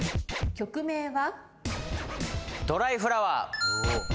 曲名は？